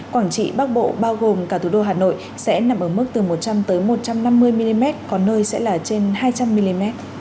quảng trị bắc bộ bao gồm cả thủ đô hà nội sẽ nằm ở mức từ một trăm linh một trăm năm mươi mm có nơi sẽ là trên hai trăm linh mm